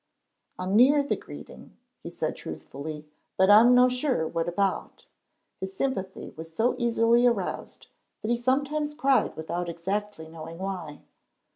"I'm near the greeting," he said truthfully, "but I'm no sure what about." His sympathy was so easily aroused that he sometimes cried without exactly knowing why.